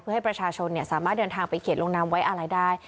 เพื่อให้ประชาชนสามารถเดินทางไปเขียนลงน้ำไว้อะไรได้